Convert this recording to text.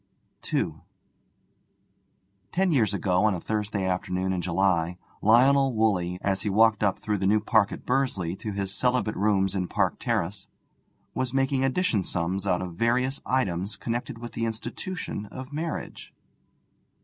II Ten years ago on a Thursday afternoon in July, Lionel Woolley, as he walked up through the new park at Bursley to his celibate rooms in Park Terrace, was making addition sums out of various items connected with the institution of marriage.